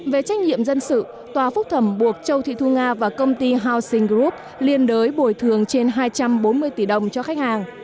về trách nhiệm dân sự tòa phúc thẩm buộc châu thị thu nga và công ty housing group liên đới bồi thường trên hai trăm bốn mươi tỷ đồng cho khách hàng